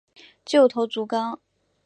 旧头足纲